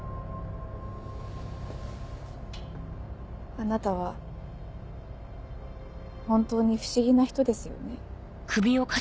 あなたは本当に不思議な人ですよね。